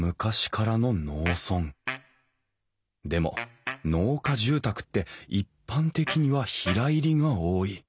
でも農家住宅って一般的には平入りが多い。